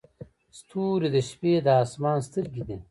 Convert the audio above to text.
ستوري د شپې د اسمان سترګې دي.